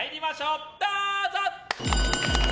どうぞ！